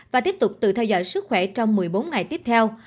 và tiếp tục tự theo dõi sức khỏe trong một mươi bốn ngày tiếp theo